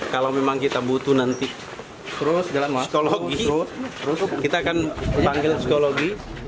kalau memang kita butuh nanti kita akan panggil psikologi